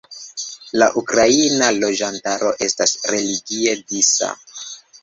La ukraina loĝantaro estas religie disa.